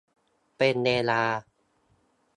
เป็นเวลา